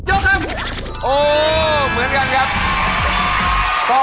โอ้เหมือนกันครับ